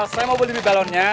saya mau beli balonnya